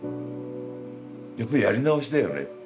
やっぱりやり直しだよねって。